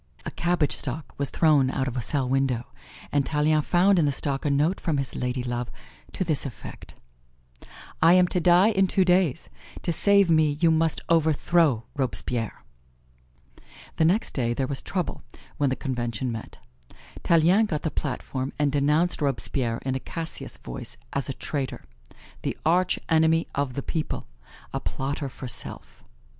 A cabbage stalk was thrown out of a cell window, and Tallien found in the stalk a note from his ladylove to this effect: "I am to die in two days; to save me you must overthrow Robespierre." The next day there was trouble when the Convention met. Tallien got the platform and denounced Robespierre in a Cassius voice as a traitor the arch enemy of the people a plotter for self.